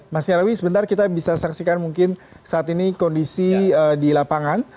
mas nyarawi sebentar kita bisa saksikan mungkin saat ini kondisi di lapangan